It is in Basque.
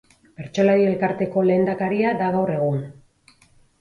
Bertsolari Elkarteko lehendakaria da gaur egun.